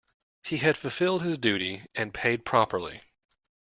He had fulfilled his duty and paid properly.